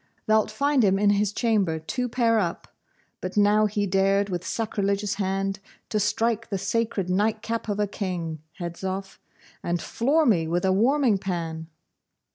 Thou'lt find him in his chamber two pair up. But now he dared, with sacrilegious hand, to strike the sacred night cap of a king Hedzoff, and floor me with a warming pan!